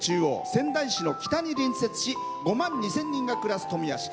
仙台市の北に隣接し、５万人が暮らす富谷市。